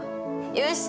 よし！